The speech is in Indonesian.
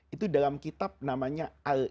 itu dalam kitab namanya al